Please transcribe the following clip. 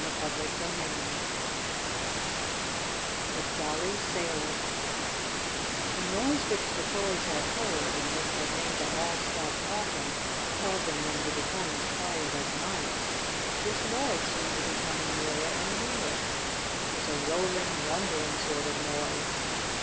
CHAPTER II THE JOLLY SAILOR The noise which the toys had heard, and which had made them all stop talking, causing them to become as quiet as mice this noise seemed to be coming nearer and nearer. It was a rolling, rumbling sort of noise.